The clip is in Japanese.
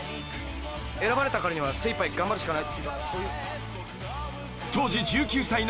「選ばれたからには精いっぱい頑張るしかないっていうかそういう」